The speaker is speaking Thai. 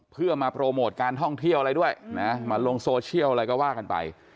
เพื่อมาโปรโมทการท่องเที่ยวอะไรด้วยนะมาลงโซเชียลอะไรก็ว่ากันไป